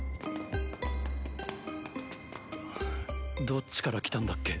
どっちから来たんだっけ？